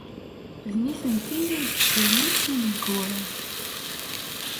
D nitenti ay yeqqimen d tineggura.